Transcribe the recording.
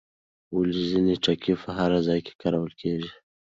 ولې ځینې ټکي په هر ځای کې کارول کېږي؟